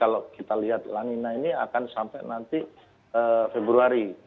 kalau kita lihat lanina ini akan sampai nanti februari